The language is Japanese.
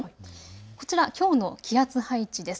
こちら、きょうの気圧配置です。